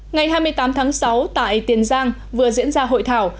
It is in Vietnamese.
ngày hai mươi tám tháng sáu tại tiền giang vừa diễn ra hội thảo